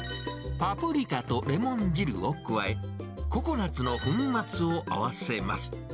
パプリカとレモン汁を加え、ココナツの粉末を合わせます。